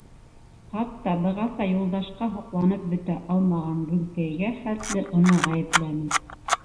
Хатта бығаса Юлдашҡа һоҡланып бөтә алмаған Гөлкәйгә хәтле уны ғәйепләне.